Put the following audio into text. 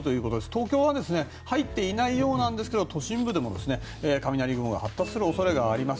東京は入っていないようですが都心部でも雷雲が発達する恐れがあります。